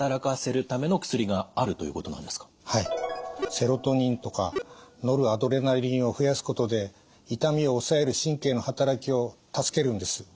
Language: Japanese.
セロトニンとかノルアドレナリンを増やすことで痛みを抑える神経の働きを助けるんです。